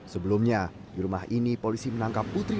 sebelumnya di rumah ini polisi menangkap putri